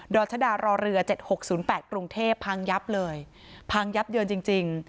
รชดารอเรือ๗๖๐๘กรุงเทพพังยับเลยพังยับเยินจริง